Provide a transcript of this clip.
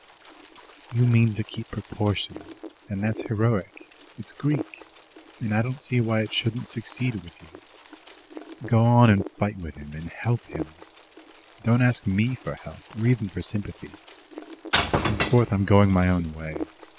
"You mean to keep proportion, and that's heroic, it's Greek, and I don't see why it shouldn't succeed with you. Go on and fight with him and help him. Don't ask ME for help, or even for sympathy. Henceforward I'm going my own way.